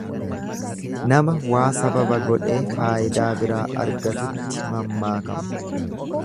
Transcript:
Nama waa sababa godhee faayidaa biraa argatutti mammaakama.